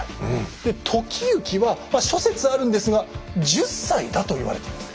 で時行はまあ諸説あるんですが１０歳だと言われています。